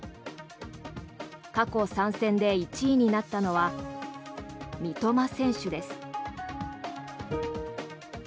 過去３戦で１位になったのは三笘選手です。